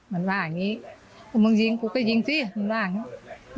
มันว่าอย่างนี้พอมึงยิงกูก็ยิงสิมึงว่าอย่างนี้